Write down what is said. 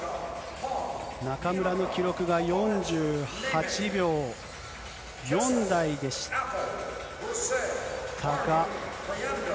中村の記録が４８秒４台でしたが。